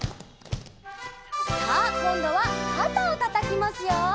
「」さあこんどはかたをたたきますよ。